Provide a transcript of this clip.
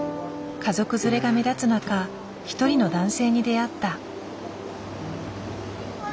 家族連れが目立つ中一人の男性に出会った。